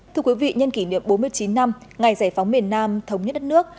thưa quý vị nhân kỷ niệm bốn mươi chín năm ngày giải phóng miền nam thống nhất đất nước